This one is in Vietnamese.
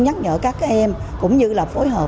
nhắc nhở các em cũng như là phối hợp